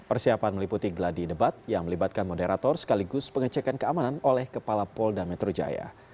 persiapan meliputi geladi debat yang melibatkan moderator sekaligus pengecekan keamanan oleh kepala polda metro jaya